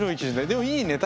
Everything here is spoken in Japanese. でもいいね